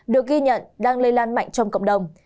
được ghi nhận đang lây lan mạnh trong cộng đồng